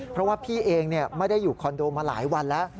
เพราะว่าพี่เองไม่ได้อยู่คอนโดมาหลายวันแล้ว